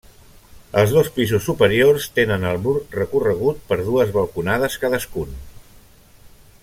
Els dos pisos superiors tenen el mur recorregut per dues balconades cadascun.